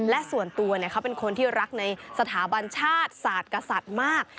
และส่วนตัวเขาเป็นคนที่รักในสถาบันชาติศาสตร์กษัตริย์มาก